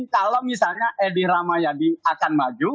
kalau misalnya edi rahmayadi akan maju